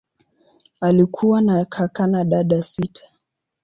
Alikuwa na kaka na dada sita.